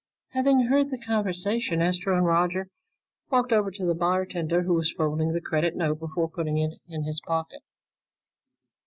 Having heard the conversation, Astro and Roger walked over to the bartender who was folding the credit note before putting it in his pocket.